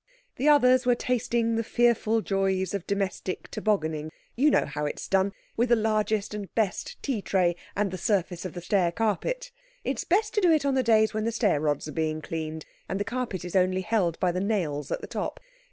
The others were tasting the fearful joys of domestic tobogganing. You know how it is done—with the largest and best tea tray and the surface of the stair carpet. It is best to do it on the days when the stair rods are being cleaned, and the carpet is only held by the nails at the top.